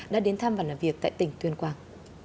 đã đến thăm và làm việc tại tỉnh tuyên quang